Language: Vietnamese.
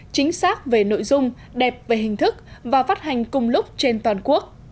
chính xác về nội dung đẹp về hình thức và phát hành cùng lúc trên toàn quốc